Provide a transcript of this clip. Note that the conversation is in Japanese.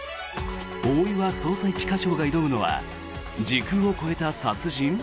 大岩捜査一課長が挑むのは時空を超えた殺人？